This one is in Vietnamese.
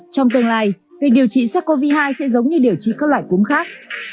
trong tương lai việc điều trị sars cov hai sẽ giống như điều trị các loại cúm khác